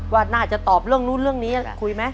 ว่าน่าจะตอบเรื่องนู้นเรื่องนี้คุยไหม